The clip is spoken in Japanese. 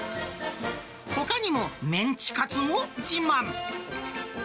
ほかにもメンチカツも自慢。